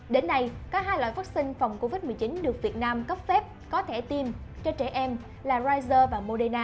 đến nay có hai loại vaccine phòng covid một mươi chín được việt nam cấp phép có thể tiêm cho trẻ em là rezer và moderna